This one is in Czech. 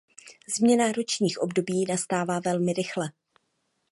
Změna ročních období nastává velmi rychle.